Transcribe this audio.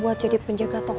buat jadi penjaga toko